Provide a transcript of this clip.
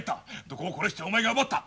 土工を殺してお前が奪った。